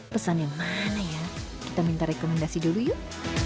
pesannya mana ya kita minta rekomendasi dulu yuk